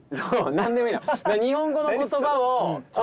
何でもいいの。